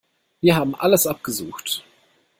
Wir haben alles abgesucht.